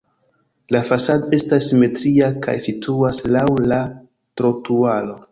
La fasado estas simetria kaj situas laŭ la trotuaro.